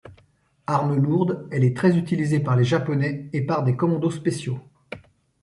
Arme lourde, elle est très utilisée par les Japonais et par des commandos spéciaux.